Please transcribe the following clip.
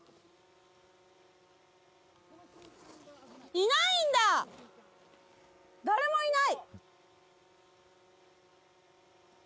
いないんだ、誰もいない。